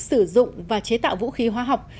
sử dụng và chế tạo vũ khí hoa học